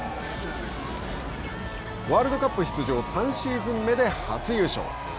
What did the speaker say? ワールドカップ出場３シーズン目で初優勝。